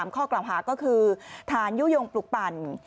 ข้อกล่าวหาก็คือฐานยุโยงปลุกปั่น